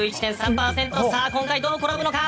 さあ今回、どう転ぶのか。